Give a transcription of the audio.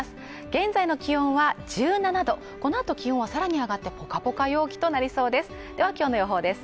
現在の気温は１７度このあと気温はさらに上がってポカポカ陽気となりそうです